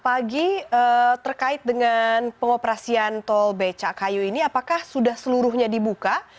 apalagi terkait dengan pengoperasian tol becakayu ini apakah sudah seluruhnya dibuka